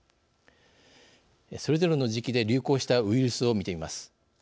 それぞれの時期で流行したウイルスを見てみます。